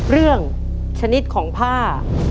เรื่องชนิดของผ้า